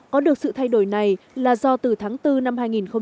có được sự thay đổi này là do từ tháng bốn năm hai nghìn một mươi chín